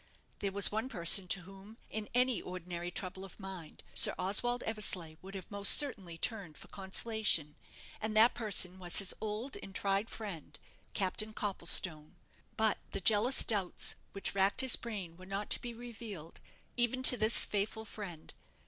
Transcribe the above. There was one person to whom, in any ordinary trouble of mind, Sir Oswald Eversleigh would have most certainly turned for consolation; and that person was his old and tried friend, Captain Copplestone. But the jealous doubts which racked his brain were not to be revealed, even to this faithful friend.